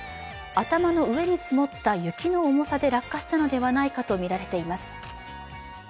頭の上に積もった雪の重さで落下したのではないかとみられています。